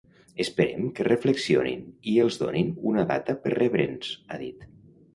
Esperem que reflexionin i els donin una data per rebre’ns, ha dit.